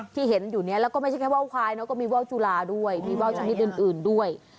ที่เห็นอยู่เนี่ยแล้วก็ไม่ใช่แค่ว่าวควายเนอะก็มีว่าวจุลาด้วยมีว่าวชนิดอื่นด้วย